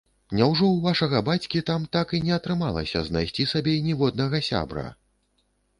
Няўжо ў вашага бацькі там так і не атрымалася знайсці сабе ніводнага сябра?